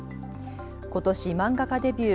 ことし漫画家デビュー